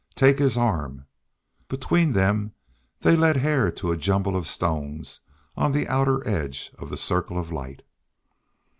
"Take his arm." Between them they led Hare to a jumble of stones on the outer edge of the circle of light.